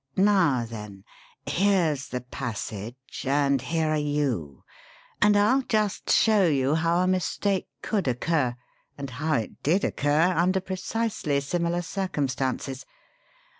Now, then. Here's the passage and here are you, and I'll just show you how a mistake could occur, and how it did occur, under precisely similar circumstances.